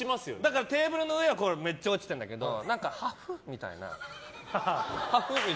テーブルの上はめっちゃ落ちてるんだけどはふっみたいな。